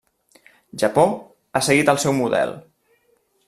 Japó ha seguit el seu model.